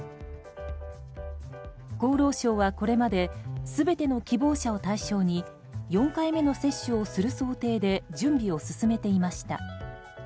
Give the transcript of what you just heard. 厚労省はこれまで全ての希望者を対象に４回目の接種をする想定で準備を進めていました。